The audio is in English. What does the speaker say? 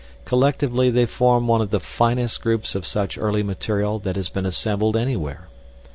Collectively they form one of the finest groups of such early material that has been assembled anywhere.